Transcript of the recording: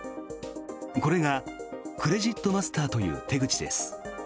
これがクレジットマスターという手口です。